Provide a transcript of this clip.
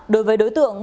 đối với đối tượng